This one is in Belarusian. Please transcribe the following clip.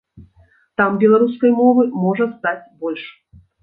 Там беларускай мовы можа стаць больш.